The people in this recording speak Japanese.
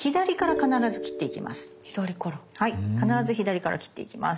必ず左から切っていきます。